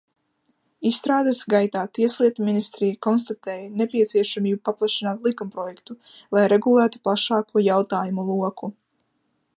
Izstrādes gaitā Tieslietu ministrija konstatēja nepieciešamību paplašināt likumprojektu, lai regulētu plašāku jautājumu loku.